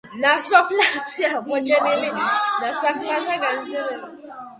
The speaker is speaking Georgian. ნასოფლარზე აღმოჩენილია ნასახლართა ნანგრევები.